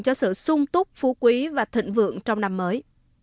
cho sự sung túc phú quý và thịnh vượng trong năm mới